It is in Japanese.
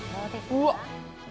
うわっ！